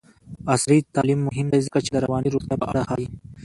عصري تعلیم مهم دی ځکه چې د رواني روغتیا په اړه ښيي.